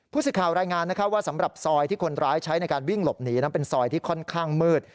สิทธิ์รายงานว่าสำหรับซอยที่คนร้ายใช้ในการวิ่งหลบหนีนั้นเป็นซอยที่ค่อนข้างมืด